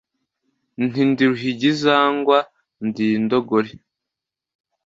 nti : ndi ruhigizangwa ndi indogore